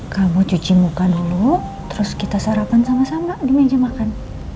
kamu cuci muka dulu terus kita sarapan sama sama di meja makan